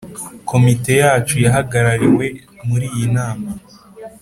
komite yacu yahagarariwe muri iyi nama